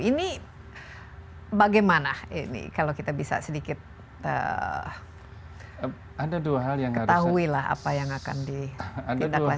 ini bagaimana ini kalau kita bisa sedikit ketahui lah apa yang akan ditindaklanjuti